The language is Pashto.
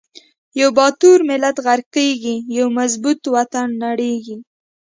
یو با تور ملت غر قیږی، یو مظبو ط وطن نړیزی